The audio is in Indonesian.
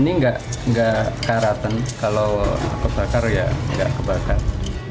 ini nggak karaten kalau aku sakar ya nggak kebakat